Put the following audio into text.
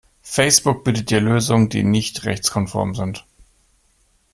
Facebook bietet dir Lösungen, die nicht rechtskonform sind.